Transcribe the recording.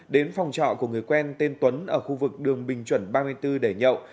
đến phòng trọ của người quen tên tuấn ở khu vực đường bình chuẩn ba mươi bốn để nhậu